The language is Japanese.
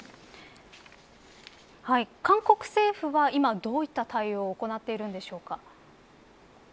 韓国政府は今どういった対応を行っているんでしょうか。